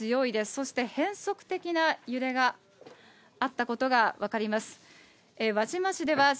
そして変則的な揺れがあったことが分かります。